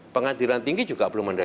pengadilan tinggi juga belum ada